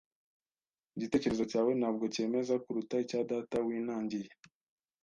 Igitekerezo cyawe ntabwo cyemeza kuruta icya data winangiye.